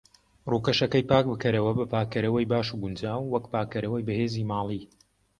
ڕوکەشەکەی پاک بکەرەوە بە پاکەرەوەی باش و گونجاو، وەک پاکەرەوەی بەهێزی ماڵی.